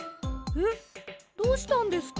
えっどうしたんですか？